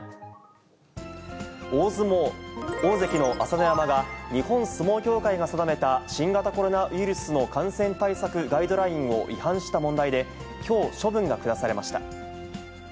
大相撲、大関の朝乃山が、日本相撲協会が定めた新型コロナウイルスの感染対策ガイドラインを違反した問題で、きょう処分が下されました。